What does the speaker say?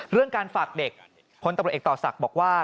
เรื่องการฝากเด็กพลตำรวจเอกต่อศักดิ์บอกว่า